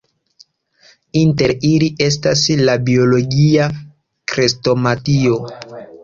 Inter ili estas la Biologia Krestomatio.